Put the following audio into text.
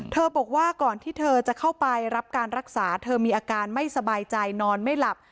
บอกว่าก่อนที่เธอจะเข้าไปรับการรักษาเธอมีอาการไม่สบายใจนอนไม่หลับ